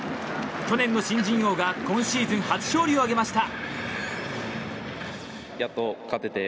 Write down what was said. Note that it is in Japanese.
去年の新人王が今シーズン初勝利を挙げました。